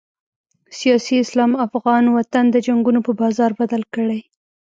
سیاسي اسلام افغان وطن د جنګونو په بازار بدل کړی.